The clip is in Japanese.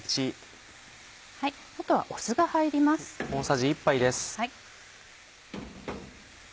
あとは酢が入ります。